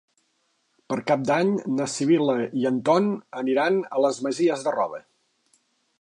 Per Cap d'Any na Sibil·la i en Ton aniran a les Masies de Roda.